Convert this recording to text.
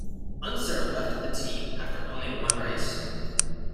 Unser left the team after only one race.